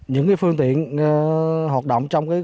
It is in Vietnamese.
những phương tiện hoạt động trong khu vực này